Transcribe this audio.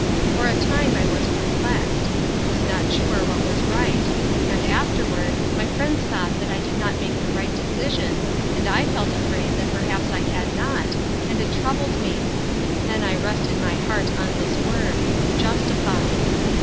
For a time I was perplexed — was not sure what was right — and, afterward, m}' friends thought that I did not make the right decision, and I felt afraid that perhaps I had not, and it troubled me. Then I rested my heart on this word: ''justified.''